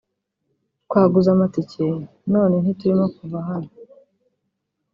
Twaguze amatike none nti turimo kuva hano